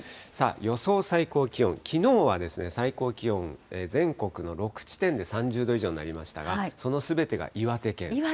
予想最高気温、きのうは最高気温、全国の６地点で３０度以上になりましたが、そのすべてが岩手県。